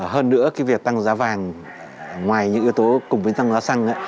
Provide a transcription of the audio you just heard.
hơn nữa cái việc tăng giá vàng ngoài những yếu tố cùng với tăng giá xăng